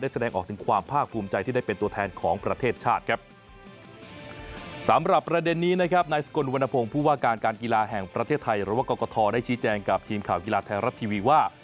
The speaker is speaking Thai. สำหรับประเด็นนี้นะครับนายสกลวัณพงษ์ผู้ว่าการการกีฬาแห่งประเทศไทยรวรรคกฏฒได้ชี้แจงกับทีมข่าวกีฬาไทยรับทีวีว่า